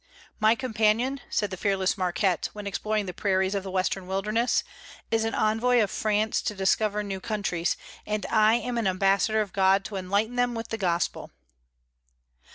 "My companion," said the fearless Marquette, when exploring the prairies of the Western wilderness, "is an envoy of France to discover new countries, and I am an ambassador of God to enlighten them with the Gospel."